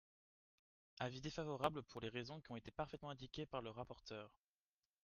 Avis défavorable pour les raisons qui ont été parfaitement indiquées par le rapporteur.